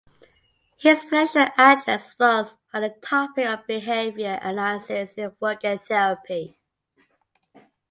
His presidential address was on the topic of behaviour analysis in work and therapy.